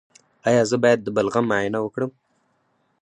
ایا زه باید د بلغم معاینه وکړم؟